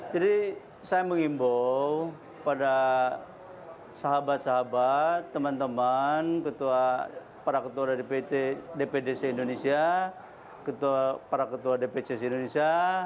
jadi saya mengimbau pada sahabat sahabat teman teman ketua para ketua dptc indonesia ketua para ketua dptc indonesia